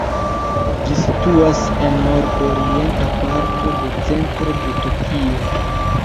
Ĝi situas en nord-orienta parto de centro de Tokio.